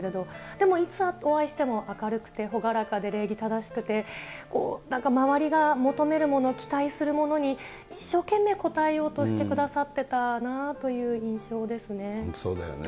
でもいつお会いしても明るくて朗らかで礼儀正しくて、なんか周りが求めるもの、期待するものに一生懸命応えようとしてくださってたなという印象そうだよね。